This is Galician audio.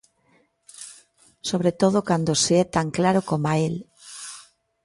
Sobre todo cando se é tan claro coma el.